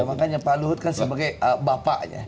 makanya pak luhut kan sebagai bapaknya